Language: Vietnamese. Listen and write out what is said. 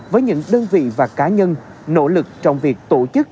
với những đơn vị và cá nhân nỗ lực trong việc tổ chức